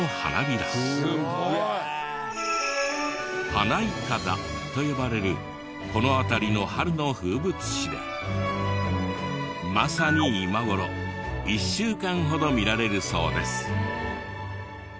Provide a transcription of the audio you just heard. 花筏と呼ばれるこの辺りの春の風物詩でまさに今頃１週間ほど見られるそうです。